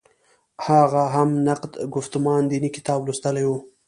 هغه هم نقد ګفتمان دیني کتاب لوستلی و.